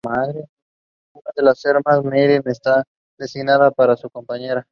Una de las hermanas, Marie, está designada para ser su compañera.